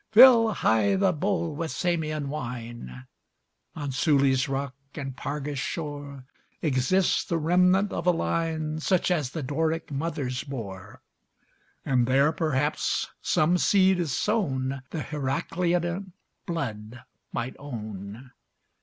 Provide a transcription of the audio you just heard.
Fill high the bowl with Samian wine! On Suli's rock, and Parga's shore, Exists the remnant of a line Such as the Doric mothers bore: And there, perhaps, some seed is sown The Heracleidan blood might own.